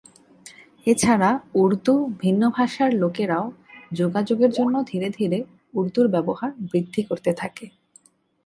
এছাড়া উর্দু ভিন্ন ভাষার লোকেরাও যোগাযোগের জন্য ধীরে ধীরে উর্দুর ব্যবহার বৃদ্ধি করতে থাকে।